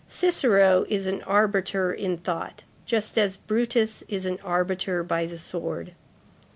Cicero is an arbiter in thought, just as Brutus is an arbiter by the sword.